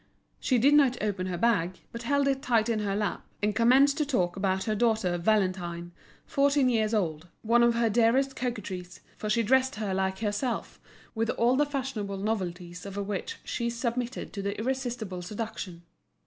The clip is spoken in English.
She did not open her bag, but held it tight on her lap, and commenced to talk about her daughter Valentine, fourteen years old, one of her dearest coquetries, for she dressed her like herself, with all the fashionable novelties of which she submitted to the irresistible seduction.